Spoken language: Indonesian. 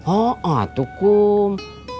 oh ah tuh kum